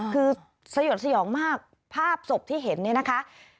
คือสยดสยองมากภาพศพที่เห็นเนี่ยนะคะ